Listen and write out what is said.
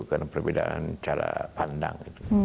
karena perbedaan cara pandang